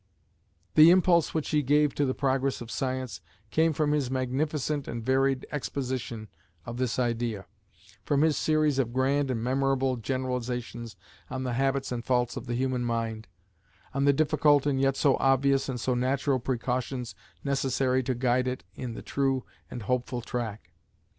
The impulse which he gave to the progress of science came from his magnificent and varied exposition of this idea; from his series of grand and memorable generalisations on the habits and faults of the human mind on the difficult and yet so obvious and so natural precautions necessary to guide it in the true and hopeful track.